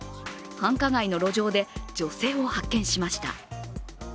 繁華街の路上で女性を発見しました。